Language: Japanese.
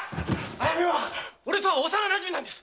あやめは俺とは幼なじみなんです。